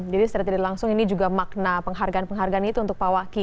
jadi secara tidak langsung ini juga makna penghargaan penghargaan itu untuk pak waki ya